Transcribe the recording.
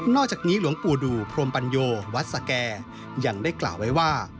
อกจากนี้หลวงปู่ดูพรมปัญโยวัดสแก่ยังได้กล่าวไว้ว่า